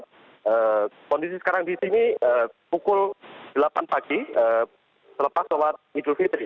dan kondisi sekarang di sini pukul delapan pagi selepas sholat idul fitri